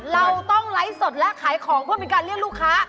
เราต้องไลฟ์สดและขายของเพื่อเป็นการเรียกลูกค้า